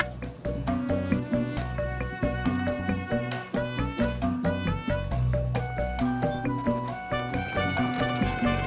tapi gue kagak ada waktu buat masaknya